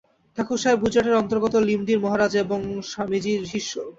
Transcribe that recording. ঠাকুর সাহেব গুজরাটের অন্তর্গত লিমডির মহারাজা এবং স্বামীজীর শিষ্য।